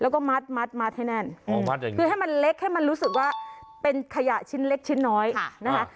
แล้วก็มัดให้แน่นคือให้มันเล็กให้มันรู้สึกว่าเป็นขยะชิ้นเล็กชิ้นน้อยนะคะ